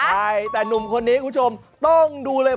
ใช่แต่หนุ่มคนนี้คุณผู้ชมต้องดูเลย